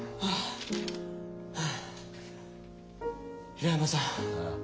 平山さん